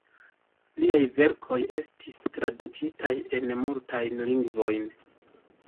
Liaj verkoj estis tradukitaj en multajn lingvojn.